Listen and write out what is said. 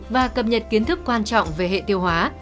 và cập nhật kiến thức quan trọng về hệ tiêu hóa